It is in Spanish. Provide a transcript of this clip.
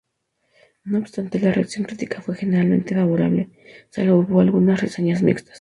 No obstante, la reacción crítica fue generalmente favorable, salvo algunas reseñas mixtas.